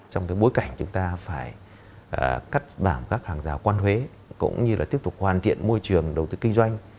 trong cái bối cảnh chúng ta phải cắt bảng các hàng rào quan huế cũng như là tiếp tục hoàn thiện môi trường đầu tư kinh doanh